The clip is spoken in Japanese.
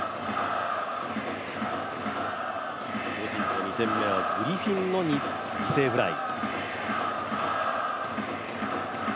巨人の２点目はグリフィンの犠牲フライ。